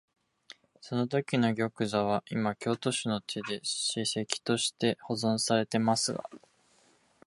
そのときの玉座は、いま京都市の手で史跡として保存されていますが、